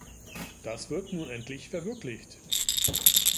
Das wird nun endlich verwirklicht.